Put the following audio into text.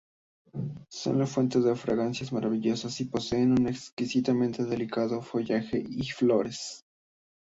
Son la fuente de fragancias maravillosas y poseen un exquisitamente delicado follaje y flores.